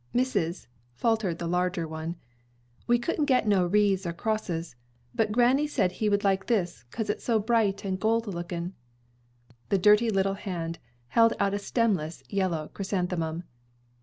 "Missus," faltered the larger one, "we couldn't get no wreaves or crosses, but granny said he would like this ''cause it's so bright and gold lookin'.'" The dirty little hand held out a stemless, yellow chrysanthemum.